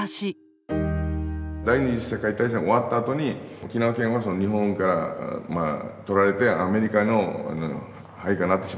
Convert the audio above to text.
第二次世界大戦終わったあとに沖縄県は日本から取られてアメリカの配下になってしまったんですよね。